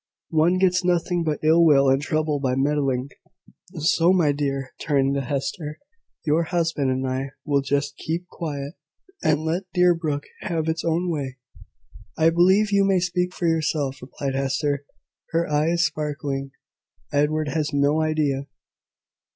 One gets nothing but ill will and trouble by meddling. So, my dear," turning to Hester, "your husband and I will just keep quiet, and let Deerbrook have its own way." "I believe you may speak for yourself," replied Hester, her eyes sparkling. "Edward has no idea